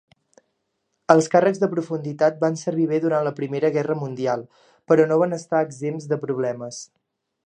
Els càrrecs de profunditat van servir bé durant la Primera Guerra Mundial, però no van estar exempts de problemes.